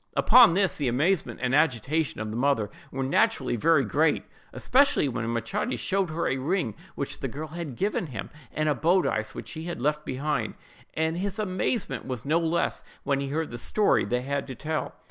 Upon this, the amazement and agitation of the mother were naturally very great; especially when Machates showed her a ring which the girl had given him, and a bodice which she had left behind her; and his amazement was no less, when he heard the story they had to tell.